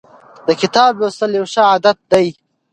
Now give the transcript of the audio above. د کتاب لوستل یو ښه عادت دی.